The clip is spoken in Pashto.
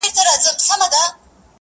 بحثونه زياتېږي هره ورځ دلته تل,